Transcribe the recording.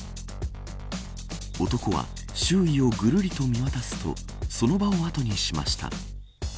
男は周囲をぐるりと見渡すとその場を後にしました。